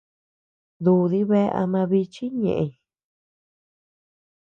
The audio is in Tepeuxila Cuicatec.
Dúdi bea ama bichi ñeʼëñ.